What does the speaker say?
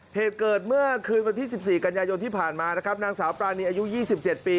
เหตุเกิดเมื่อคืนวันที่๑๔กันยายนที่ผ่านมานะครับนางสาวปรานีอายุ๒๗ปี